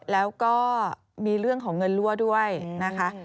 แล้วก็มีเรื่องของเงินรั่วด้วยนะคะ